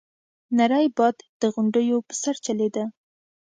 نری باد د غونډيو په سر چلېده.